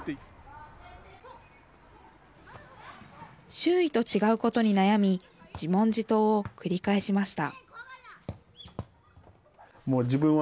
周囲と違うことに悩み自問自答を繰り返しました。